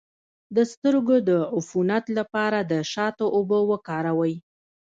د سترګو د عفونت لپاره د شاتو اوبه وکاروئ